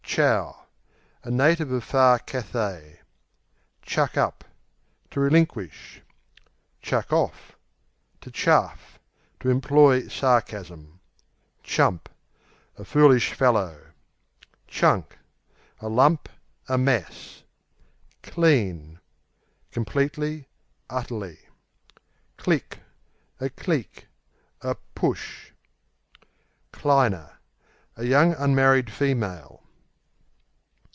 Chow A native of far Cathay. Chuck up To relinquish. Chuck off To chaff; to employ sarcasm. Chump A foolish fellow. Chunk A lump; a mass. Clean Completely; utterly. Click A clique; a "push," q.v. Cliner A young unmarried female.